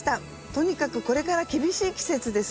とにかくこれから厳しい季節です。